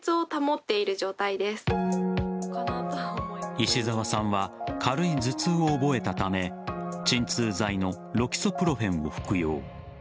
石澤さんは軽い頭痛を覚えたため鎮痛剤のロキソプロフェンを服用。